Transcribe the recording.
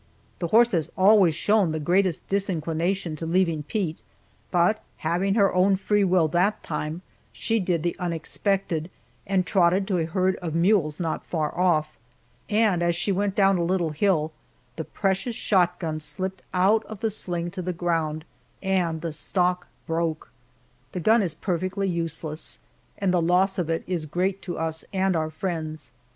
The horse has always shown the greatest disinclination to leaving Pete, but having her own free will that time, she did the unexpected and trotted to a herd of mules not far off, and as she went down a little hill the precious shotgun slipped out of the sling to the ground, and the stock broke! The gun is perfectly useless, and the loss of it is great to us and our friends.